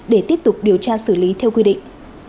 để tiếp tục điều tra xử lý theo quy định